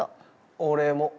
俺も。